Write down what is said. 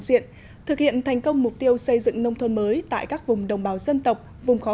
diện thực hiện thành công mục tiêu xây dựng nông thôn mới tại các vùng đồng bào dân tộc vùng khó